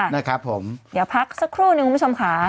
เดี๋ยวพักสักครู่หนึ่งคุณผู้ชมขา